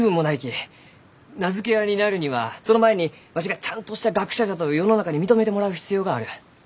名付け親になるにはその前にわしがちゃんとした学者じゃと世の中に認めてもらう必要がある。